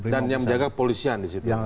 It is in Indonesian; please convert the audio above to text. dan yang menjaga kepolisian di situ